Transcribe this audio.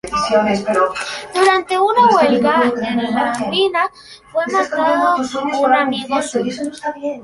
Durante una huelga en la mina fue matado un amigo suyo.